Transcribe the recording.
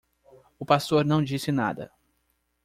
O pastor não disse nada.